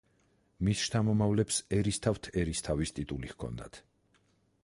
მის შთამომავლებს ერისთავთ-ერისთავის ტიტული ჰქონდათ.